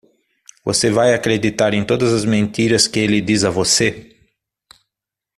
Você vai acreditar em todas as mentiras que ele diz a você?